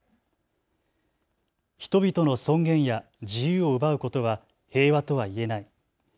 人々の尊厳や自由を奪うことは平和とは言えない。